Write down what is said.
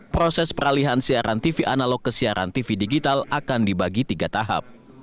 proses peralihan siaran tv analog ke siaran tv digital akan dibagi tiga tahap